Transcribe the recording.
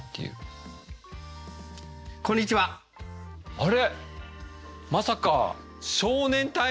あれ？